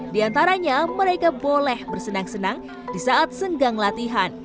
di antaranya mereka boleh bersenang senang di saat senggang latihan